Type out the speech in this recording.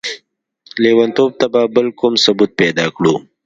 ليونتوب ته به بل کوم ثبوت پيدا کړو؟!